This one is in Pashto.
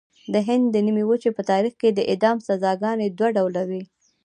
د هند د نیمې وچې په تاریخ کې د اعدام سزاګانې دوه ډوله وې.